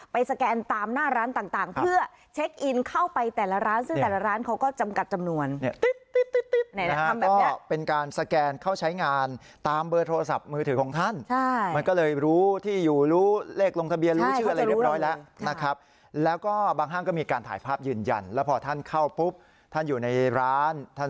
ไปสแกนตามหน้าร้านต่างเพื่อเช็คอินเข้าไปแต่ละร้าน